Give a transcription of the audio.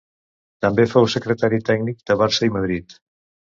També fou secretari tècnic de Barça i Madrid.